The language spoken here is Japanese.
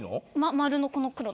丸のこの黒の。